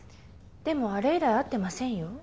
でもあれ以来会ってませんよ。